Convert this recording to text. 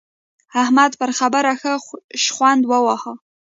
احمد پر خبره ښه شخوند وواهه.